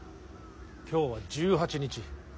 今日は１８日。